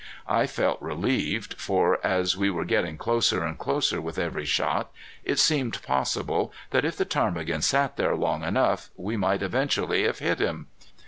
I felt relieved, for as we were getting closer and closer with every shot, it seemed possible that if the ptarmigan sat there long enough we might eventually have hit him.